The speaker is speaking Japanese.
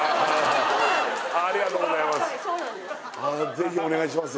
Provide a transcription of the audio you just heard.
ぜひお願いします